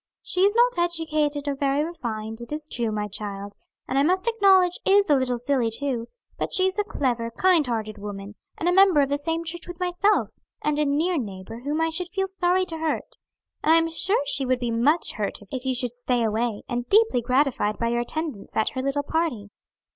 "She is not educated or very refined, it is true, my child; and I must acknowledge is a little silly, too; but she is a clever, kind hearted woman, a member of the same church with myself, and a near neighbor whom I should feel sorry to hurt; and I am sure she would be much hurt if you should stay away, and deeply gratified by your attendance at her little party."